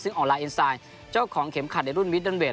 ซึ่งออกลาเอ็นไซด์เจ้าของเข็มขัดในรุ่นมิเตอร์เวท